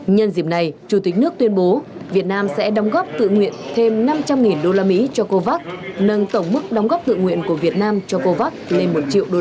nhân dịp này chủ tịch nước tuyên bố việt nam sẽ đóng góp tự nguyện thêm năm trăm linh usd cho covax nâng tổng mức đóng góp tự nguyện của việt nam cho covax lên một triệu usd